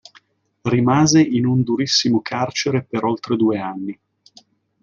Rimase in un durissimo carcere per oltre due anni.